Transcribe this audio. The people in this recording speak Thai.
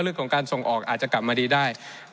เรื่องของการท่องเที่ยวเรื่องของการส่งออกอาจจะกลับมาดีได้